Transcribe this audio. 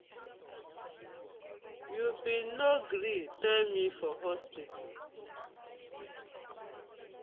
Yu been no gree tell me for hospital.